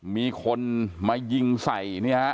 มีคนมายิงใส่